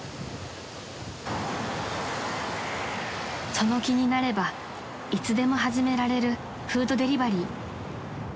［その気になればいつでも始められるフードデリバリー］